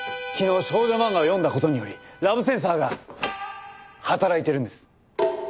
昨日少女漫画を読んだ事によりラブセンサーが働いてるんです。